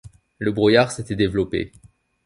Le brouillard s’était développé.